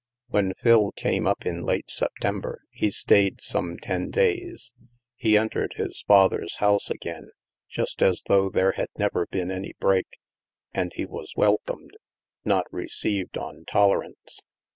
When Phil came up in late September, he stayed some ten days. He entered his father's house again, just as though there had never been any break, and he was welcomed — not received on tolerance.